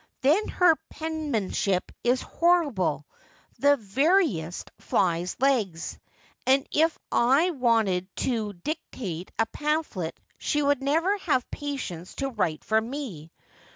Then her penmanship is horrible, the veriest flies' legs. And if I wanted to dictate a pamphlet she would never have patience to write for me.